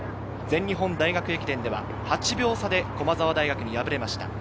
全日本大学駅伝では８秒差で駒澤大学に敗れました。